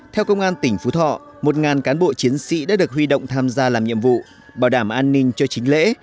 theo công an tỉnh phú thọ một cán bộ chiến sĩ đã được huy động tham gia làm nhiệm vụ bảo đảm an ninh cho chính lễ